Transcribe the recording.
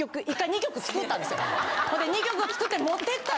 ほんで２曲作って持っていった。